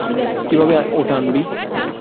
কিভাবে ওটা আনবি?